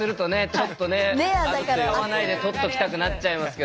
ちょっとねあると喜んで取っときたくなっちゃいますけど。